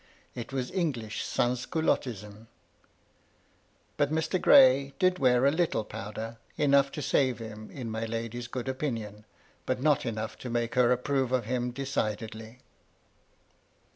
It was English sans culottism. But Mr. Gray did wear a little powder, enough to save him in my lady's good opinion ; but not enough to make her approve of him decidedly.